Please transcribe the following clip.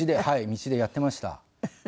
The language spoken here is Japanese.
道でやってました。